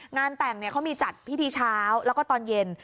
งานแต่งเขามีจัดพิธีเช้าแล้วก็ตอนเย็น